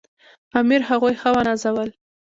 امیر هغوی ښه ونازول.